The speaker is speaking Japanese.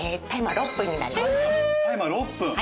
６分！？